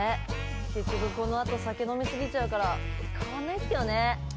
結局このあと酒飲み過ぎちゃうから変わんないんすけどね。